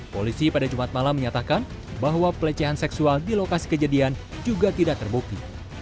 polisi pada jumat malam menyatakan bahwa pelecehan seksual di lokasi kejadian juga tidak terbukti